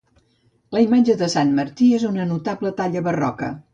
La imatge de Sant Martí és una notable talla barroca.